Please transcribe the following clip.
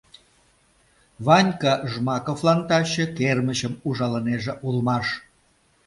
Ванька Жмаковлан таче кермычым ужалынеже улмаш...